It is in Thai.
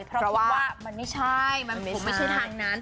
เพราะคิดว่ามันไม่ใช่ผมไม่ใช่ทางนั้น